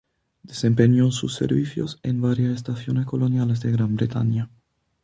Desempeñó sus servicios en varias estaciones coloniales de Gran Bretaña.